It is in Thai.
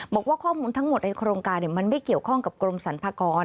บอกว่าข้อมูลทั้งหมดในโครงการมันไม่เกี่ยวข้องกับกรมสรรพากร